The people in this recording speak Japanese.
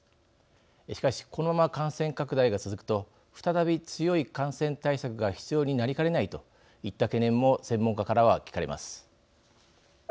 しかしこのまま感染拡大が続くと再び強い感染対策が必要になりかねないといった懸念も専門家からは聞かれます。